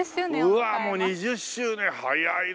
うわもう２０周年早いな。